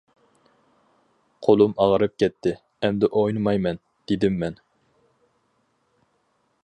-قولۇم ئاغرىپ كەتتى، ئەمدى ئوينىمايمەن، -دېدىم مەن.